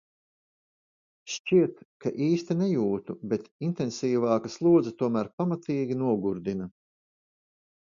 Šķiet, ka īsti nejūtu, bet intensīvāka slodze tomēr pamatīgi nogurdina.